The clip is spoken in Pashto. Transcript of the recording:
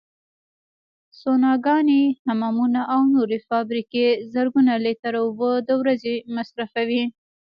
سوناګانې، حمامونه او نورې فابریکې زرګونه لیتره اوبو د ورځې مصرفوي.